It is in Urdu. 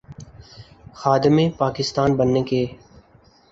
خادم پاکستان بننے کے۔